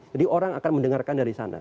jadi orang akan mendengarkan dari sana